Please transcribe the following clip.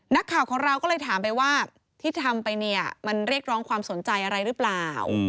นักข่าวของเราก็เลยถามไปว่าที่ทำไปเนี่ยมันเรียกร้องความสนใจอะไรหรือเปล่า